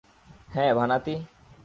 হ্যাঁ, ভানাতি।